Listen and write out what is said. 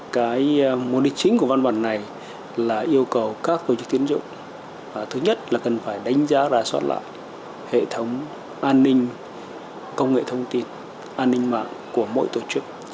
cái mục đích chính của văn bản này là yêu cầu các tổ chức tiến dụng thứ nhất là cần phải đánh giá rà soát lại hệ thống an ninh công nghệ thông tin an ninh mạng của mỗi tổ chức